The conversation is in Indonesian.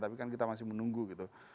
tapi kan kita masih menunggu gitu